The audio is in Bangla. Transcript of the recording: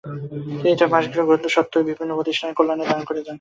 তিনি তার বাসগৃহ ও গ্রন্থস্বত্বও বিভিন্ন প্রতিষ্ঠানের কল্যাণে দান করে যান।